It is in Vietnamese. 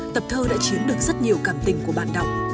tập thơ đã chiếm được rất nhiều cảm tình của bạn đọc